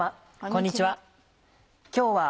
こんにちは。